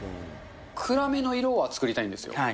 暗めの色は作りたいんですよ。